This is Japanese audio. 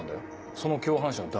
その共犯者は誰？